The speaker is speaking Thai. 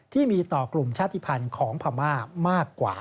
ที่มีต่อกลุ่มชาติภัณฑ์ของพม่ามากกว่า